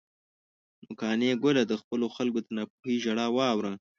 نو قانع ګله، د خپلو خلکو د ناپوهۍ ژړا واوره.